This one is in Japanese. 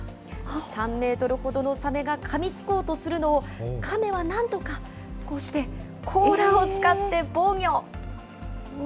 ３メートルほどのサメがかみつこうとするのを、カメはなんとかこうして甲羅を使って防御。